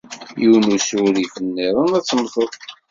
Yiwen usurif niḍen, ad temmteḍ!